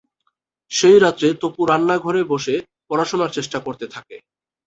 সেই রাত্রে তপু রান্নাঘরে বসে পড়াশোনার চেষ্টা করতে থাকে।